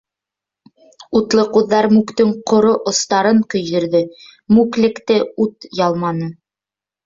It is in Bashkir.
Утлы ҡуҙҙар мүктең ҡоро остарын көйҙөрҙө, мүклекте ут ялманы.